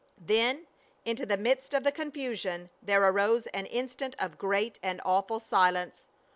Then, into the midst of the confusion there arose an instant of great and awful silence.